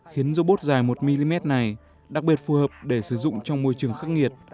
khiến robot dài một mm này đặc biệt phù hợp để sử dụng trong môi trường khắc nghiệt